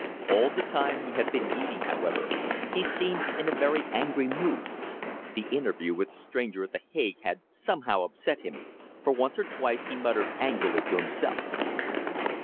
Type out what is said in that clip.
All the time he had been eating, however, he seemed in a very angry mood. The interview with the stranger at The Hague had somehow upset him, for once or twice he muttered angrily to himself."